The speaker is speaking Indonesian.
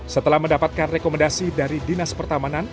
setelah mendapatkan rekomendasi dari dinas pertamanan